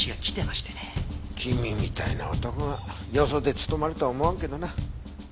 君みたいな男がよそで勤まるとは思わんけどな。